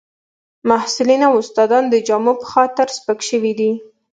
محصلین او استادان د جامو په خاطر سپک شوي دي